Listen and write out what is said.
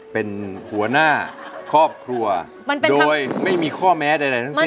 เป็นหัวหน้าครอบครัวโดยไม่มีข้อแม้ใดทั้งสิ้น